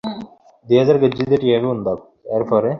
শুধু বলো ওকে আমাদের পিছুছাড়া করার জন্য কত খরচা করতে হবে!